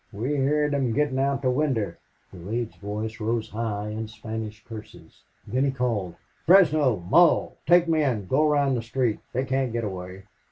"We heerd them gettin' out the winder." Durade's voice rose high in Spanish curses. Then he called: "Fresno Mull take men go around the street. They can't get away